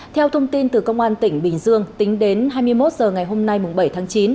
theo thông tin từ công an tỉnh bình dương tính đến hai mươi một h ngày hôm nay bảy tháng chín